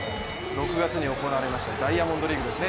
６月に行われましたダイヤモンドリーグですね。